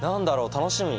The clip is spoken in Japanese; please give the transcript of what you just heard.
楽しみ。